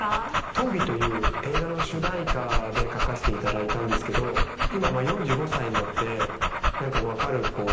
『とんび』という映画の主題歌で書かせていただいたんですけど今４５歳になって分かる。